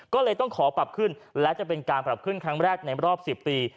ก็เลยต้องขอปรับขึ้นและจะเป็นการปรับขึ้นครั้งแรกในรอบ๑๐ปี